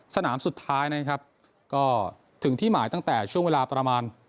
สนามสุดท้ายนะครับก็ถึงที่หมายตั้งแต่ช่วงเวลาประมาณ